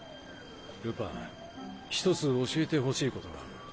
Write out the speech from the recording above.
ルパン一つ教えてほしいことがある。